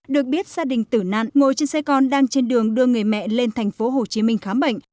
được biết gia đình tử nạn ngồi trên xe con đang trên đường đưa người mẹ lên thành phố hồ chí minh khám bệnh